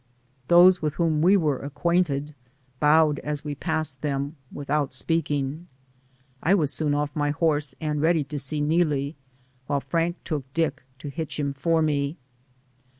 Those with whom we are acquainted bowed as we passed them, without speaking. I was soon off my horse and ready to see Neelie, while Frank took Dick to hitch him for me.